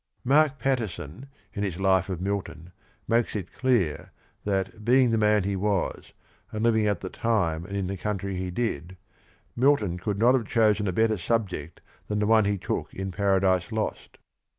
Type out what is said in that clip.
Mark Pattison in his life of Milton makes it clear, that being the man he was and living at the time and in the country he did, Milton could not have chosen a better subject than the one he took in Paradise Lost.